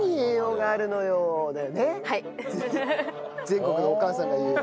全国のお母さんが言う。